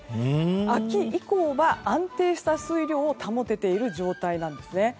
秋以降は安定した水量を保てている状態なんですね。